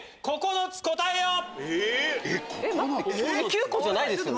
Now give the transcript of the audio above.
９個じゃないですよね？